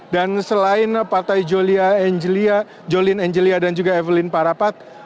dan selain partai jolin angelina dan juga evelyn parapat